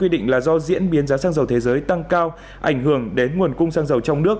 do diễn biến giá xăng dầu thế giới tăng cao ảnh hưởng đến nguồn cung xăng dầu trong nước